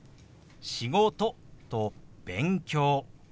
「仕事」と「勉強」。